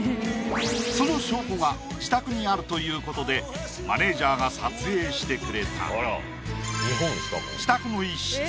その証拠が自宅にあるということでマネージャーが撮影してくれた自宅の一室